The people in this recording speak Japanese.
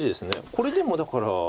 これでもだから。